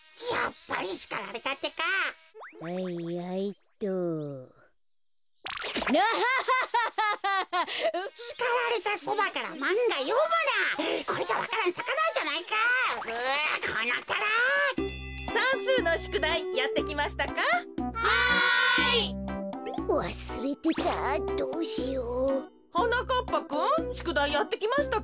ぱくんしゅくだいやってきましたか？